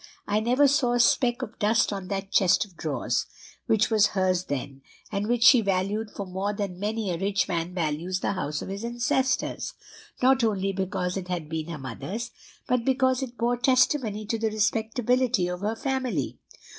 I never saw a speck of dust on that chest of drawers, which was hers then, and which she valued far more than many a rich man values the house of his ancestors, not only because it had been her mother's, but because it bore testimony to the respectability of her family.